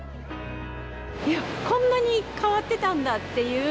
こんなに変わってたんだっていう。